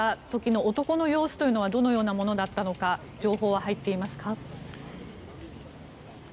時の男の様子というのはどのようなものだったのか情報は入っていますか？